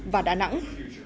và đà nẵng